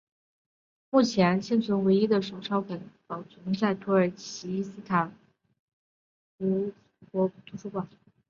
目前现存唯一的手抄本保存在土耳其伊斯坦布尔市法提赫区的国民图书馆。